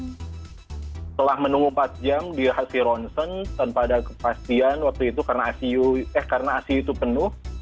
setelah menunggu empat jam di hasil ronsen tanpa ada kepastian waktu itu karena icu eh karena icu itu penuh